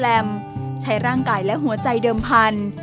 หรือตูนบอดี้แสลมใช้ร่างกายและหัวใจเดิมพันธุ์